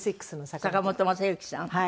坂本昌行さん？